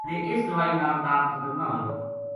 کدے اس دوائی نال تاپ ختم نہ ہویو